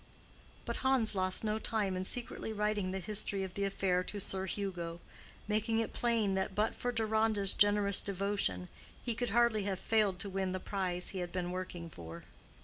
But Hans lost no time in secretly writing the history of the affair to Sir Hugo, making it plain that but for Deronda's generous devotion he could hardly have failed to win the prize he had been working for.